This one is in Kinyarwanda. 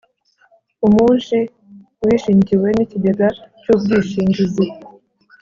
Umunshi wishingiwe n’ikigega cy’ubwishingizi